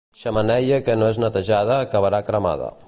Xemeneia que no és netejada acabarà cremada.